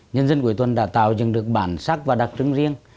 nhân dân cuối tuần đã tạo dựng được bản sắc và đặc trưng riêng